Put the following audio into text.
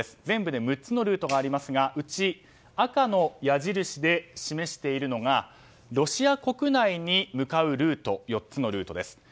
全部で６つのルートがありますがうち赤の矢印で示しているのがロシア国内に向かう４つのルートです。